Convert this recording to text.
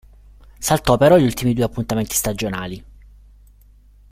Saltò però gli ultimi due appuntamenti stagionali.